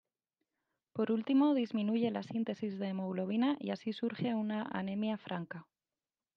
Por último, disminuye la síntesis de hemoglobina y así surge una anemia franca.